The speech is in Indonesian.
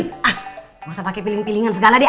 gak usah pake piling pilingan segala deh